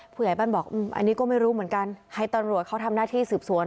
ผู้ใหญ่บ้านบอกอันนี้ก็ไม่รู้เหมือนกันให้ตำรวจเขาทำหน้าที่สืบสวน